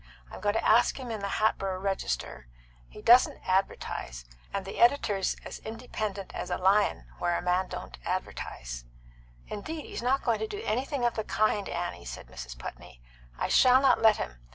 I'm going to ask him in the Hatboro' Register he doesn't advertise, and the editor's as independent as a lion where a man don't advertise " "Indeed he's not going to do anything of the kind, Annie," said Mrs. Putney. "I shall not let him.